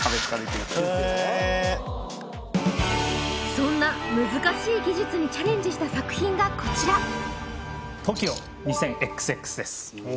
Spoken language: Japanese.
そんな難しい技術にチャレンジした作品がこちら「ＴＯＫＩＯ２０ＸＸ」です・